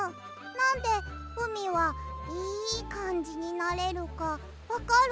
なんでうみはいいかんじになれるかわかる？